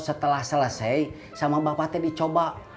setelah selesai sama bapak teh dicoba